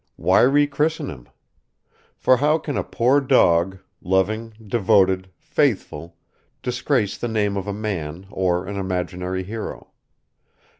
Why rechristen him? For how can a poor dog, loving, devoted, faithful, disgrace the name of a man or an imaginary hero?